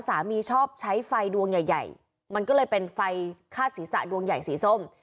ชอบใช้ไฟดวงใหญ่ใหญ่มันก็เลยเป็นไฟคาดศีรษะดวงใหญ่สีส้ม